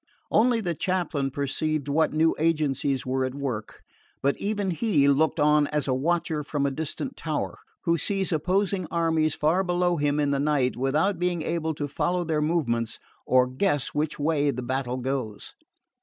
Only the chaplain perceived what new agencies were at work; but even he looked on as a watcher from a distant tower, who sees opposing armies far below him in the night, without being able to follow their movements or guess which way the battle goes.